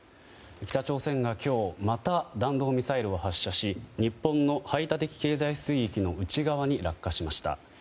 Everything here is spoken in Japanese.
北朝鮮が今日また弾道ミサイルを発射し日本の排他的経済水域の内側に落下しました。